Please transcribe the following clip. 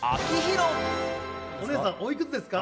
お姉さんおいくつですか？